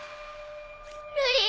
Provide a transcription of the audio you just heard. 瑠璃？